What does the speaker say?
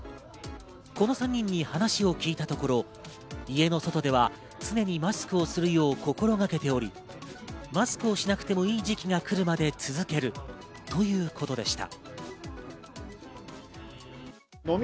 この３人に話を聞いたところ、家の外では常にマスクをするよう心がけており、マスクをしなくてもいい時期が来るまで続けるということでした。